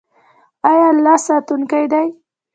آیا الله ساتونکی دی؟